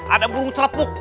ada burung celapuk